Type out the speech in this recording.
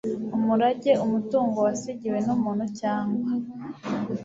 umurage umutungo wasigiwe n'umuntu cyangwa